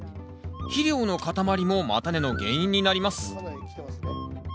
肥料の塊も叉根の原因になります。